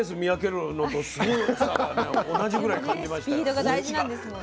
同じぐらい感じましたよ。